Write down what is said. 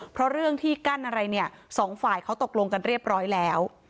เพราะเรื่องที่กั้นอะไรเนี่ยสองฝ่ายเขาตกลงกันเรียบร้อยแล้ว